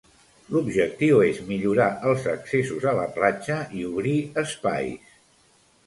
L'objectiu és millorar els accessos a la platja i obrir espais.